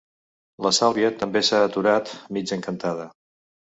La Sàlvia també s'ha aturat, mig encantada.